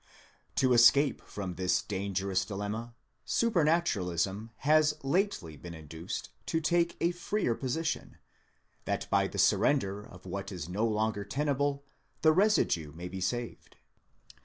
®᾿ To escape from this dangerous dilemma, supranaturalism has lately been induced to take a freer position, that by the surrender of what is no longer tenable, the residue may be saved.